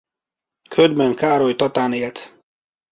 Ködmön Károly Tatán élt.